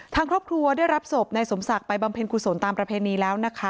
ทางครอบครัวได้รับศพนายสมศักดิ์ไปบำเพ็ญกุศลตามประเพณีแล้วนะคะ